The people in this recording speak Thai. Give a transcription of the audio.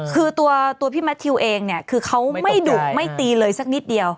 คือตัวพี่แมททิวเองเนี่ยคือเขาไม่ดุไม่ตีเลยสักนิดเดียว